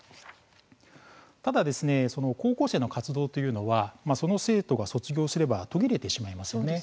ただ高校生の活動というのはその生徒が卒業すれば途切れてしまいますよね。